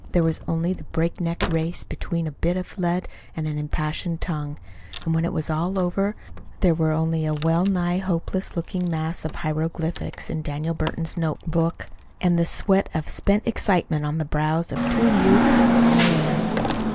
There was only the breakneck race between a bit of lead and an impassioned tongue; and when it was all over, there were only a well nigh hopeless looking mass of hieroglyphics in Daniel Burton's notebook and the sweat of spent excitement on the brows of two youths and a man.